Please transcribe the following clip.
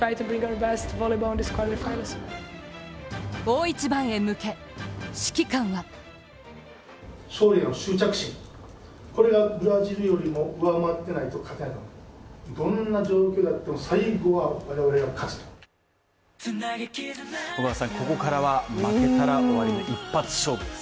大一番へ向け、指揮官はここからは負けたら終わりの一発勝負です。